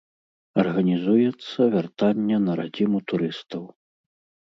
Арганізуецца вяртанне на радзіму турыстаў.